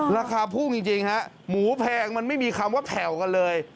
ราคาพุ่งจริงฮะหมูแพงมันไม่มีคำว่าแผ่วกันเลย